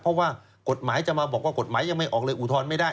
เพราะว่ากฎหมายจะมาบอกว่ากฎหมายยังไม่ออกเลยอุทธรณ์ไม่ได้